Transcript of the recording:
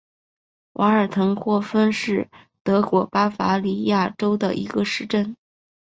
瓦尔滕霍芬是德国巴伐利亚州的一个市镇。